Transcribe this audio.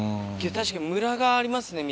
確かにムラがありますね